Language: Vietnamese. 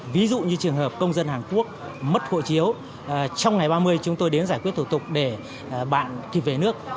ví dụ như trường hợp công dân hàn quốc mất hộ chiếu trong ngày ba mươi chúng tôi đến giải quyết thủ tục để bạn kịp về nước